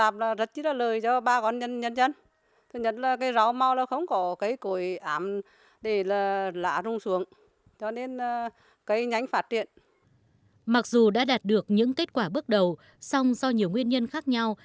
mặc dù đã đạt được những kết quả bước đầu song do nhiều nguyên nhân khác nhau